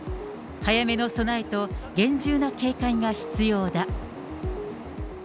早めの備えと厳重な警戒が必要だ。